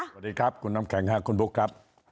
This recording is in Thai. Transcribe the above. สวัสดีครับคุณน้ำแข็งค่ะคุณบุ๊คครับ